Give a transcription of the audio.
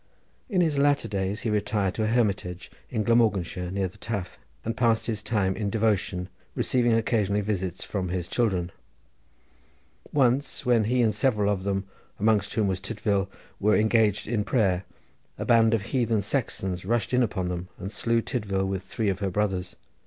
In his latter days he retired to a hermitage in Glamorganshire near the Taf and passed his time in devotion, receiving occasionally visits from his children. Once, when he and several of them, amongst whom was Tydvil, were engaged in prayer a band of heathen Saxons rushed in upon them and slew Tydvil with three of her brothers.